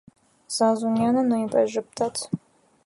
Զազունյանը նույնպես ժպտաց: